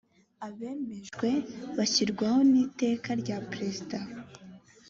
abemejwe bashyirwaho n’iteka rya perezida